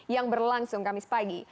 yang berlangsung kamis pagi